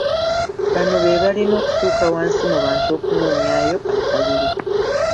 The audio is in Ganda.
Bano be balina okutuuka wansi mu bantu okunoonyaayo akalulu.